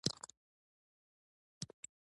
څلور محلې په کې دي.